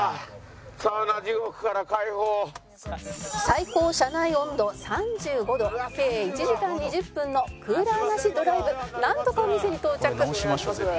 「最高車内温度３５度計１時間２０分のクーラーなしドライブなんとかお店に到着」